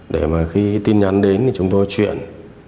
để mà khi tin nhắn đến chúng tôi chuyển